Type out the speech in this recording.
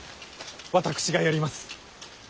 私がやります。